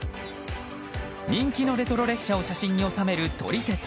人気のレトロ列車を写真に収める撮り鉄。